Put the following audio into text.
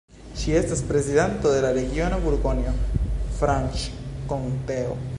Ŝi estas prezidanto de la regiono Burgonjo-Franĉkonteo.